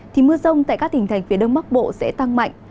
thì mưa rông tại các tỉnh thành phía đông bắc bộ sẽ tăng mạnh